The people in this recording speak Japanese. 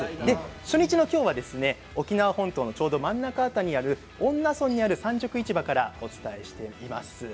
初日の今日は沖縄本島の真ん中辺りにある恩納村にある産直市場からお伝えしています。